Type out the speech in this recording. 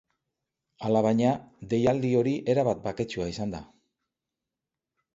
Alabaina, deialdi hori erabat baketsua izan da.